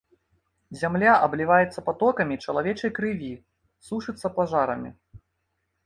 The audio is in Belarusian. Зямля абліваецца патокамі чалавечай крыві, сушыцца пажарамі.